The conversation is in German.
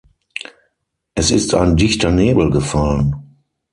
Es ist ein dichter Nebel gefallen.